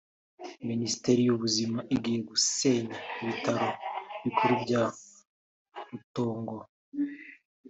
Minisiteri y’Ubuzima igiye gusenya ibitaro bikuru bya Rutongo